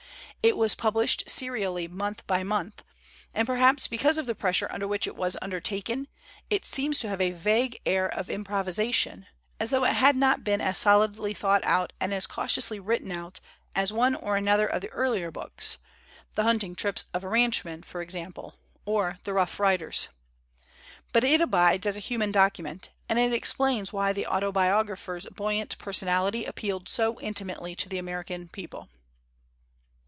It was published serially month by month; and, perhaps because of the pressure under which it was undertaken, it seems to have a vague air of improvisation, as tho it had not been as solidly thought out and as cau tiously written out as one or another of the earlier books, the 'Hunting Trips of a Ranch man/ for example, or the 'Rough Riders. 1 But it abides as a human document; and it explains why the autobiographer's buoyant personality appealed so intimately to the American people.